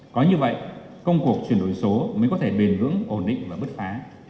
có như vậy công cuộc chuyển đổi số mới có thể bền vững ổn định và bứt phá